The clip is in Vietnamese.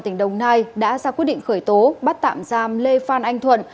tỉnh đồng nai đã ra quyết định khởi tố bắt tạm giam lê phan anh thuận